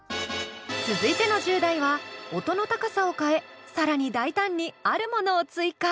続いての１０代は音の高さを変え更に大胆にあるものを追加。